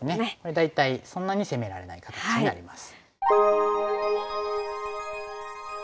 大体そんなに攻められない形になります。